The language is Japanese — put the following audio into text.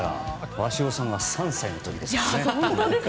鷲尾さんが３歳の時ですね。